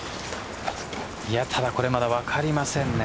ただ、これまだ分かりませんね。